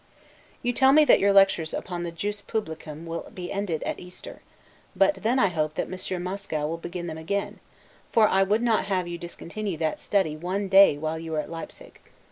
You tell me that your lectures upon the 'Jus Publicum' will be ended at Easter; but then I hope that Monsieur Mascow will begin them again; for I would not have you discontinue that study one day while you are at Leipsig.